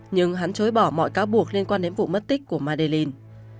nhưng hắn chối bỏ mọi cáo buộc liên quan đến vụ mất tích của madelin